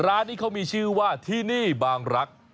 ร้านนี้เขามีชื่อว่าที่นี่บางรัก